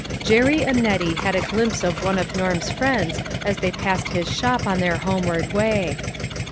Jerry and Nettie had a glimpse of one of Norm's friends as they passed his shop on their homeward way.